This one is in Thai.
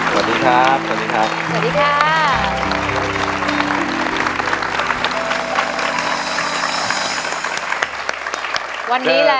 วันนี้แล้ว